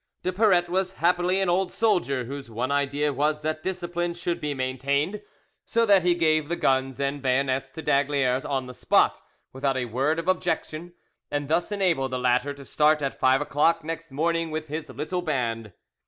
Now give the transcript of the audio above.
De Paratte was happily an old soldier, whose one idea was that discipline should be maintained, so that he gave the guns and bayonets to d'Aygaliers on the spot, without a word of objection, and thus enabled the latter to start at five o'clock next morning with his little band.